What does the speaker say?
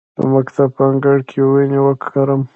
د مکتب په انګړ کې ونې وکرم؟